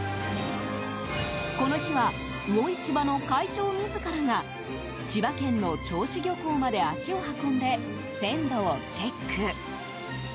この日は、魚市場の会長自らが千葉県の銚子魚港まで足を運んで鮮度をチェック。